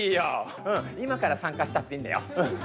うん今から参加したっていいんだよ。